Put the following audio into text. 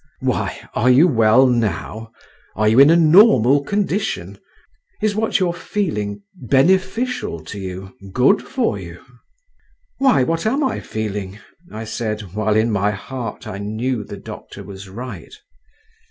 "Why, are you well now? Are you in a normal condition? Is what you're feeling—beneficial to you—good for you?" "Why, what am I feeling?" I said, while in my heart I knew the doctor was right.